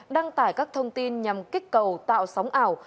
đăng tải các thông tin nhằm kích cầu tạo sóng ảo